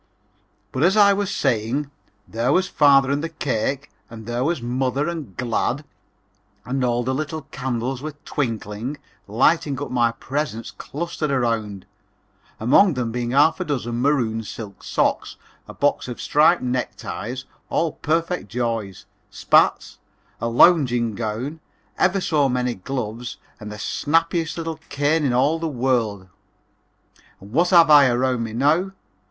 But, as I was saying, there was father and the cake, and there was mother and "Glad" and all the little candles were twinkling, lighting up my presents clustered around, among them being half a dozen maroon silk socks, a box of striped neck ties, all perfect joys; spats, a lounging gown, ever so many gloves and the snappiest little cane in all the world. And what have I around me now?